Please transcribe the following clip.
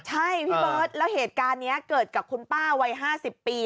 ใช่พี่เบิร์ตแล้วเหตุการณ์นี้เกิดกับคุณป้าวัย๕๐ปี